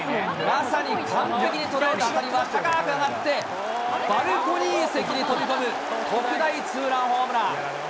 まさに完璧にとらえた当たりは、高く上がって、バルコニー席に飛び込む特大ツーランホームラン。